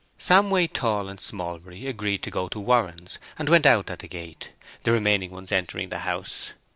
Samway, Tall, and Smallbury agreed to go to Warren's, and went out at the gate, the remaining ones entering the house.